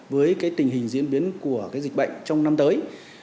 với cái tình hình diễn biến của cái dịch bệnh trong năm tới